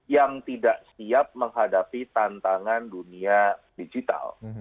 yang tidak siap menghadapi tantangan dunia digital